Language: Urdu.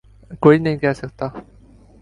کوئی نہیں کہہ سکتا۔